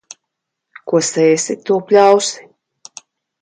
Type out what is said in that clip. Ko sēsi, to pļausi.